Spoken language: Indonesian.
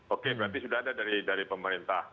oke berarti sudah ada dari pemerintah